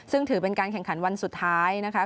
ซึ่งถือเป็นการแข่งขันวันสุดท้ายนะคะ